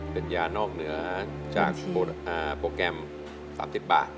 เป็นยานอกเหนือจากโปรแกรม๓๐บาท